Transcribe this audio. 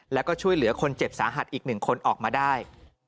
แล้วก็ช่วยเหลือคนเจ็บสาหัสอีก๑คนออกมาได้